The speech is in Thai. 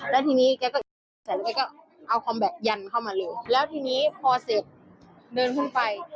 แล้วทีนี้แกก็เอาคอมแบตยันเข้ามาเลยแล้วทีนี้พอเสร็จเดินขึ้นไป